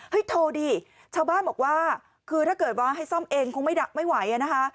โทรดิชาวบ้านบอกว่าคือถ้าเกิดว่าให้ซ่อมเองคงไม่ดักไม่ไหวนะคะ